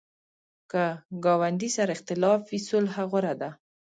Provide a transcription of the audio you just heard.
که ګاونډي سره اختلاف وي، صلح غوره ده